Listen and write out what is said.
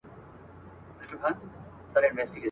ګل به وړي اغزي به پریږدي پر ګلزار زخمونه کښیږدي.